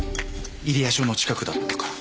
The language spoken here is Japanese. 入谷署の近くだったから。